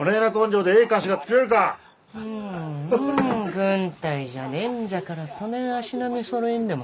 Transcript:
軍隊じゃねんじゃからそねん足並みそろえんでも。